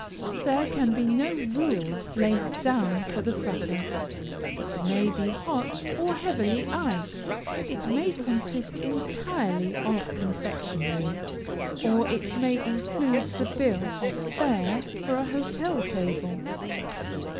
There can be no rule laid down for the supper. It may be hot or heavily iced. It may consist entirely of confectionary, or it may include the bill of fare for a hotel table.